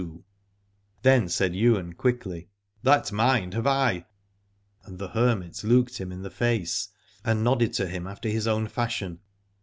43 Aladore Then said Ywain quickly : That mind have I ; and the hermit looked him in the face and nodded to him after his own fashion.